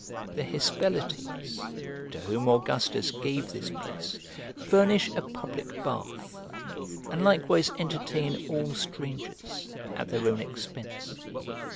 The Hispellates, to whom Augustus gave this place, furnish a public bath, and likewise entertain all strangers, at their own expense.